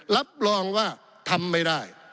รับรองว่าทำไม่ได้